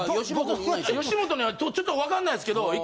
吉本にはちょっとわかんないですけど。